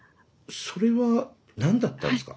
それは何だったんですか？